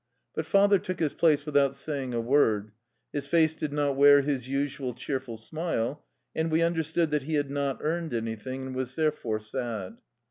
But father took his place without say ing a worG; his face did not wear his usual cheerful smile and we understood that he had not earned anything and was therefore sad.